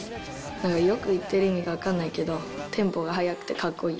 なんかよく言ってる意味が分かんないけど、テンポが速くてかっこいい。